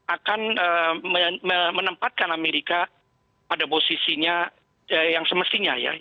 akan menempatkan amerika pada posisinya yang semestinya ya